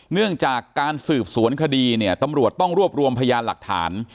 เนื่องจากการสืบสวนคดีเนี่ยตำรวจต้องรวบรวมพยานหลักฐาน